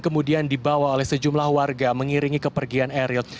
kemudian dibawa oleh sejumlah warga mengiringi kepergian eril